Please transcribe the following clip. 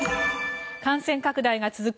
感染拡大が続く